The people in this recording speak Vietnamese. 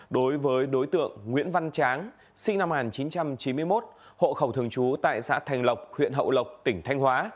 đối với đối tượng nguyễn văn tráng sinh năm một nghìn chín trăm chín mươi một hộ khẩu thường trú tại xã thành lộc huyện hậu lộc tỉnh thanh hóa